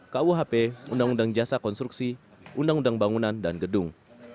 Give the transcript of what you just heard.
kuhp undang undang jasa konstruksi undang undang bangunan dan gedung